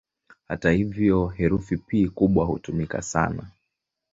Hata hivyo, herufi "P" kubwa hutumika sana.